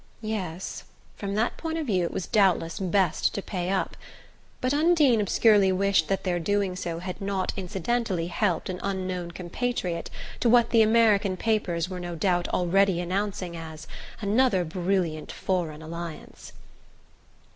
Yes from that point of view it was doubtless best to pay up; but Undine obscurely wished that their doing so had not incidentally helped an unknown compatriot to what the American papers were no doubt already announcing as "another brilliant foreign alliance."